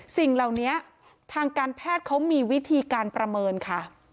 สิ่งเหล่านี้ทางการแพทย์เขามีวิธีการประเมินค่ะ